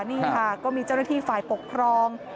นี่ค่ะก็มีเจ้าหน้าที่ฝ่ายปกครอง